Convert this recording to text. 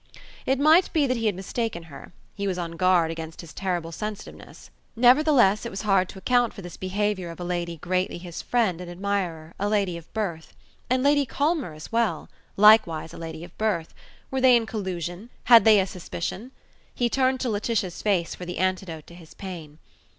It might be that he had mistaken her: he was on guard against his terrible sensitiveness. Nevertheless it was hard to account for this behaviour of a lady greatly his friend and admirer, a lady of birth. And Lady Culmer as well! likewise a lady of birth. Were they in collusion? had they a suspicion? He turned to Laetitia's face for the antidote to his pain.